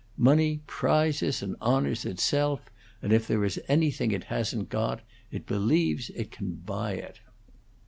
Money prizes and honors itself, and if there is anything it hasn't got, it believes it can buy it."